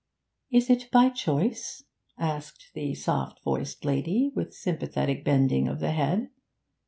'Is it by choice?' asked the soft voiced lady, with sympathetic bending of the head.